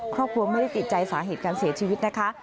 ครอบครัวไม่ได้ติดใจสาเหตุการเสียชีวิตนะคะ